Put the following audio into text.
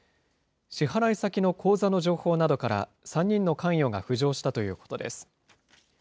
支払い先の口座の情報などから、３人の関与が浮上したということです。